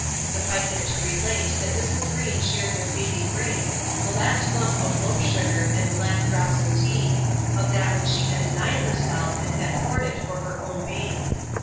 Suffice it to relate that Mrs. Breen shared with baby Graves the last lump of loaf sugar and the last drops of tea, of that which she had denied herself and had hoarded for her own babe.